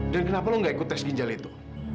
dan kenapa lo gak ikut tes ginjal itu